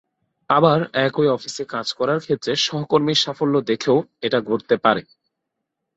আবার একই অফিসে কাজ করার ক্ষেত্রে সহকর্মীর সাফল্য দেখেও এটা ঘটতে পারে।